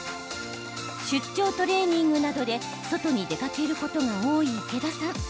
出張トレーニングなどで外に出かけることが多い池田さん。